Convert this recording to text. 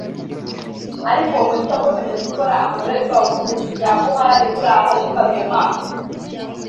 ariko uwo mutwe wakomeje gukora amarorerwa ubutegetsi bwa Buhari buri aho bukanuye amaso